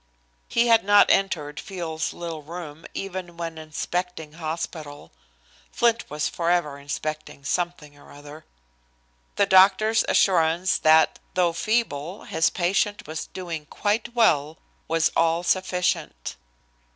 He had not entered Field's little room, even when inspecting hospital (Flint was forever inspecting something or other) the doctor's assurance that, though feeble, his patient was doing quite well, was all sufficient.